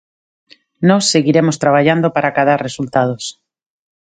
Nós seguiremos traballando para acadar resultados.